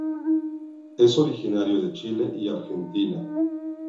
Es originario de Chile y Argentina.